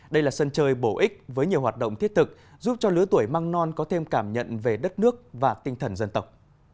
đây là sân chơi bổ ích với nhiều hoạt động thiết thực giúp cho lứa tuổi mang non có thêm cảm nhận về đất nước và tinh thần dân tộc